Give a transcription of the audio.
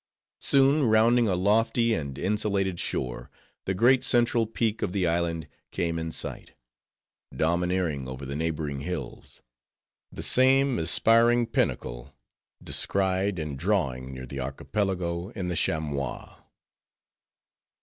Soon, rounding a lofty and insulated shore, the great central peak of the island came in sight; domineering over the neighboring hills; the same aspiring pinnacle, descried in drawing near the archipelago in the Chamois.